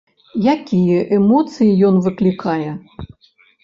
Якія эмоцыі ён выклікае?